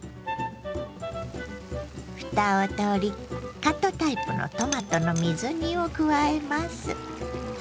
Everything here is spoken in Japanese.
ふたを取りカットタイプのトマトの水煮を加えます。